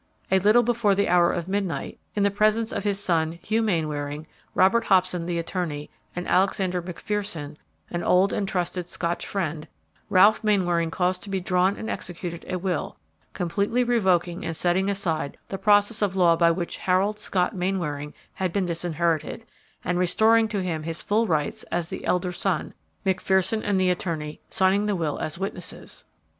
A little before the hour of midnight, in the presence of his son, Hugh Mainwaring, Richard Hobson, the attorney, and Alexander McPherson, an old and trusted Scotch friend, Ralph Mainwaring caused to be drawn and executed a will, completely revoking and setting aside the process of law by which Harold Scott Mainwaring had been disinherited, and restoring to him his full rights as the elder son, McPherson and the attorney signing the will as witnesses."